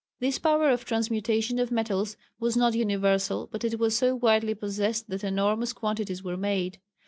This power of transmutation of metals was not universal, but it was so widely possessed that enormous quantities were made.